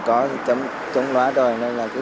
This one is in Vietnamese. có tấm trồng lóa rồi